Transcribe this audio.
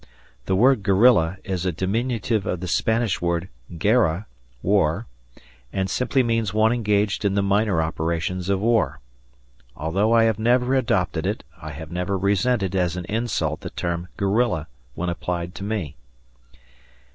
The word "guerrilla" is a diminutive of the Spanish word "guerra" (war), and simply means one engaged in the minor operations of war. Although I have never adopted it, I have never resented as an insult the term "guerrilla" when applied to me.